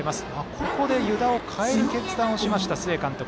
ここで、湯田を代える決断をしました、須江監督。